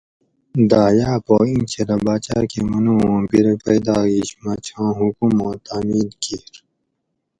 دایہ پا ایں چھلہ باچاۤ کہ منو اوں بِرے پیدا ہیش مہ چھاں حکماں تعمیل کیر